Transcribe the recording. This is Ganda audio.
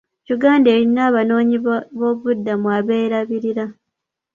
Uganda erina abanoonyiboobubudamu abeerabirira.